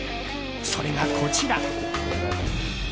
それがこちら。